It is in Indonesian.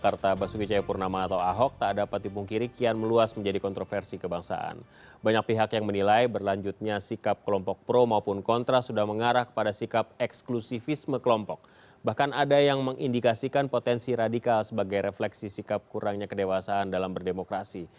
refleksi sikap kurangnya kedewasaan dalam berdemokrasi